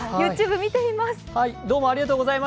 ＹｏｕＴｕｂｅ見てみます。